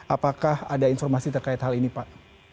apakah ada informasi terkait hal ini pak